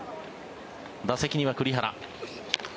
打席には栗原。